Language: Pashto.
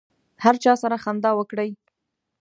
هر چا سره خندا وکړئ.